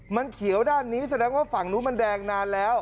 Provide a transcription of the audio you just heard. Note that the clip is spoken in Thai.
มันเขียวด้านนี้แสดงว่าฝั่งนู้นมันแดงนานแล้ว